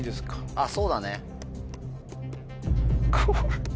あっそうだね。